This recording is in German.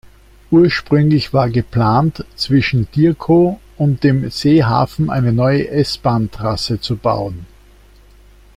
Ursprünglich war geplant, zwischen Dierkow und dem Seehafen eine neue S-Bahn-Trasse zu bauen.